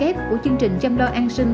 và kép của chương trình chăm lo an sinh